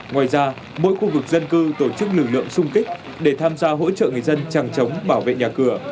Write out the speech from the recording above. ngoài ra mỗi khu vực dân cư tổ chức lực lượng sung kích để tham gia hỗ trợ người dân chẳng chống bảo vệ nhà cửa